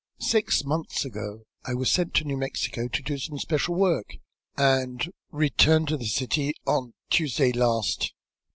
Six months ago I was sent to New Mexico to do some special work, and returned to the city on Tuesday last."